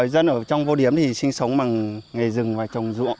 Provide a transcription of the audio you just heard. dân ở trong vô điếm thì sinh sống bằng nghề rừng và trồng ruộng